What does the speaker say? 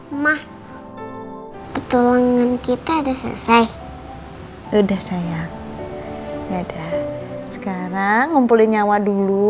emak petuangan kita udah selesai udah sayang ya udah sekarang ngumpulin nyawa dulu